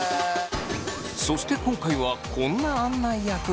そして今回はこんな案内役が。